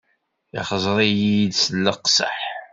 Ixẓer-iyi-d s leqseḥ.